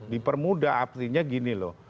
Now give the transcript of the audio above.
di permuda artinya gini loh